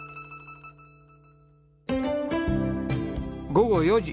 午後４時。